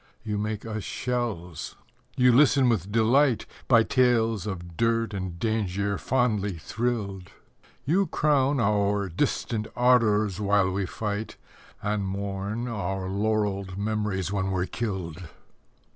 You make us shells. You listen with delight, By tales of dirt and danger fondly thrilled. You crown our distant ardours while we fight, And mourn our laurelled memories when we're killed.